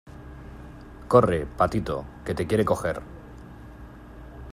corre, patito , que te quiere coger.